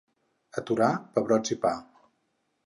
A Torà, pebrots i pa.